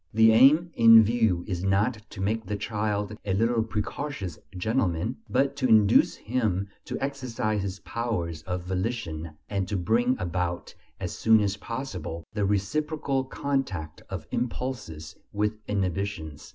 The aim in view is not to make the child a little precocious "gentleman," but to induce him to exercise his powers of volition, and to bring about as soon as possible the reciprocal contact of impulses with inhibitions.